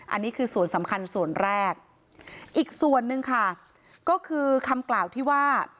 อันนี้คือส่วนสำคัญส่วนแรกอีกส่วนหนึ่งค่ะก็คือคำกล่าวที่ว่า